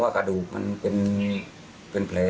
จะแทนไงกะ